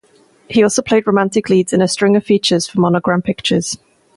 He also played romantic leads in a string of features for Monogram Pictures.